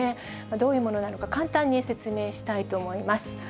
どういうものなのか、簡単に説明したいと思います。